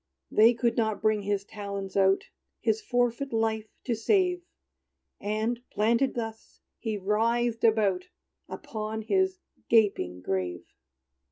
They could not bring his talons out, His forfeit life to save; And planted thus, he writhed about Upon his gaping grave.